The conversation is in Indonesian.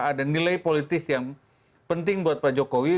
ada nilai politis yang penting buat pak jokowi